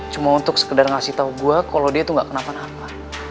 cuma untuk sekedar ngasih tau gue kalo dia tuh gak kenapa napa